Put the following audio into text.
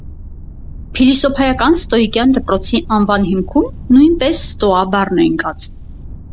Փիլիսոփայական ստոիկյան դպրոցի անվանման հիմքում նույնպես ստոա բառն է ընկած։